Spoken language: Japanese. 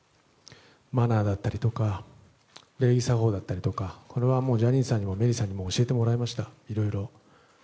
マナーだったりとか礼儀作法だったりとかこれはもうジャニーさんにもメリーさんにも教えてもらいました、いろいろ。